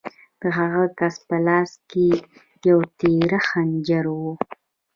د هغه کس په لاس کې یو تېره خنجر و